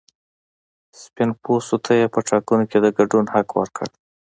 سپین پوستو ته یې په ټاکنو کې د ګډون حق ورکړ.